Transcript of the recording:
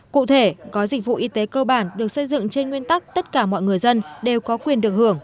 cụ thể gói dịch vụ y tế cơ bản được xây dựng trên nguyên tắc tất cả mọi người dân đều có quyền được hưởng